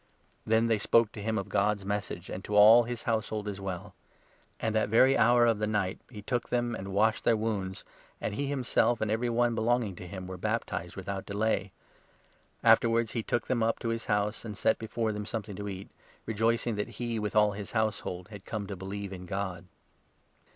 Then they spoke to him of God's Message, and to all his 32 household as well. And that very hour of the night he took 33 them and washed their wounds, and he himself and every one belonging to him were baptized without delay. Afterwards he 34 took them up to his house and set before them something to eat, rejoicing that he, with all his household, had come to believe in God.